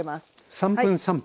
３分３分。